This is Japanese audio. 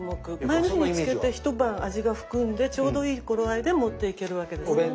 前の日に漬けて一晩味が含んでちょうどいい頃合いで持っていけるわけですよね。